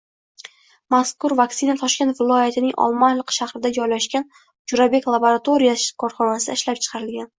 Mazkur vaksina Toshkent viloyatining Olmaliq shahrida joylashgan Jurabek Laboratories korxonasida ishlab chiqarilgan